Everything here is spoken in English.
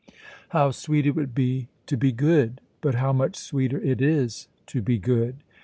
How sweet it would be to be good, but how much sweeter it is to be good!